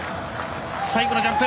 最後のジャンプ。